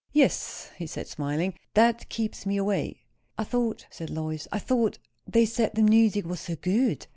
"Yes," he said, smiling. "That keeps me away." "I thought," said Lois, "I thought they said the music was so good?"